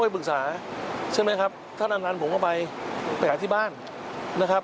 ก็ไปก็ไปเจอที่ดิบใหม่อาทิตย์ที่แล้ว